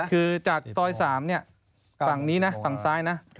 คือจากซอย๓ฝั่งนี้นะฝั่งซ้ายนะ